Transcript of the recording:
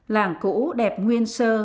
làng cũ đẹp nguyên sơ